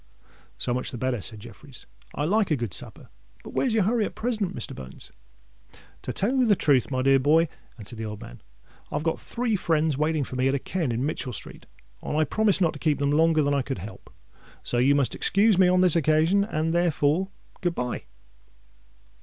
"So much the better," said Jeffreys: "I like a good supper. But what's your hurry at present, Mr. Bones?" "To tell you the truth, my dear boy," answered the old man, "I have got three friends waiting for me at a ken in Mitchell Street; and I promised not to keep them longer than I could help. So you must excuse me on this occasion; and, therefore, good bye."